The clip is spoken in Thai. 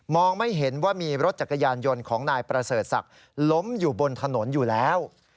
ไม่เห็นว่ามีรถจักรยานยนต์ของนายประเสริฐศักดิ์ล้มอยู่บนถนนอยู่แล้ว